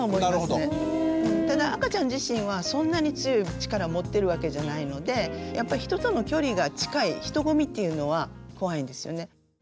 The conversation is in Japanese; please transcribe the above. ただ赤ちゃん自身はそんなに強い力を持ってるわけじゃないのでやっぱり人との距離が近い人混みっていうのは怖いんですよね。